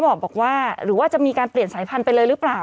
บอกว่าหรือว่าจะมีการเปลี่ยนสายพันธุไปเลยหรือเปล่า